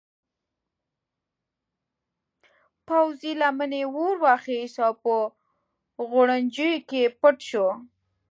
پوځي لمنې اور واخیست او په غوړنجو کې پټ شو.